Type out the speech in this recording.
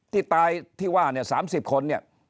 ที่ตายที่ว่า๓๐คน